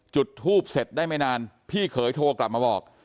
จุดทูบเสร็จได้ไม่นานพี่เขยโทรกลับมาบอก